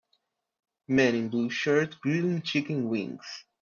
Man in blue shirt grilling chicken wings.